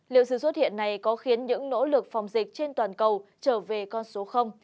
liệu sự xuất hiện này có khiến những nỗ lực phòng dịch trên toàn cầu trở về con số